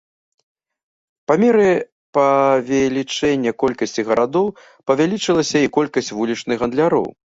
Па меры павелічэння колькасці гарадоў павялічылася і колькасць вулічных гандляроў.